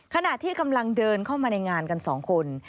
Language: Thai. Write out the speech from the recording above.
ขณะที่กำลังเดินเข้ามาในงานกัน๒คน